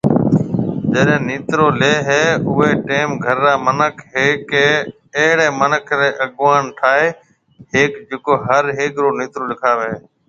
جڏي نيترو لي هي اوئي ٽيم گھر را منک هيڪي اهڙي منک ني اگووڻ ٺاهي هي جڪو هر هيڪ رو نيترو لکاوي هي